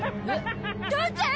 父ちゃん！？